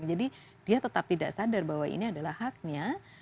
jadi dia tetap tidak sadar bahwa ini adalah haknya